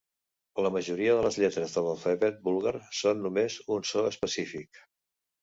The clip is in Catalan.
La majoria de les lletres de l'alfabet búlgar són només un so específic.